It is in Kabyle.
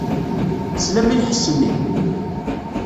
Teslam i lḥess-nni?